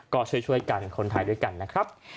ก็ช่วยกันคนไทยด้วยกันนะครับ